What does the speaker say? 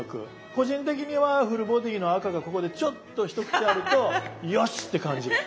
個人的にはフルボディの赤がここでちょっと一口あると「よし！」って感じる。